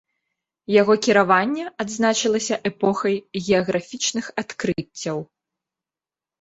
Яго кіраванне адзначылася эпохай геаграфічных адкрыццяў.